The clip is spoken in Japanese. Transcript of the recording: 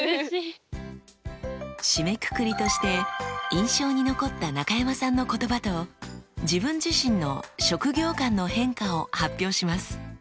締めくくりとして印象に残った中山さんの言葉と自分自身の職業観の変化を発表します。